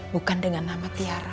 bukan dengan nama tiara